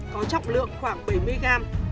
có trọng lượng khoảng bảy mươi g